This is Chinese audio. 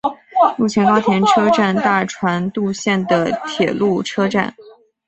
陆前高田车站大船渡线的铁路车站。